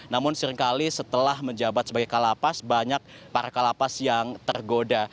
namun seringkali setelah menjabat sebagai kalapas banyak para kalapas yang tergoda